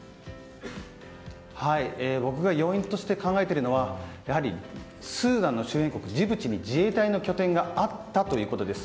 僕が要因として考えているのはやはりスーダンの周辺国ジブチに自衛隊の拠点があったということです。